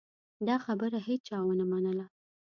دا خبره هېچا ونه منله.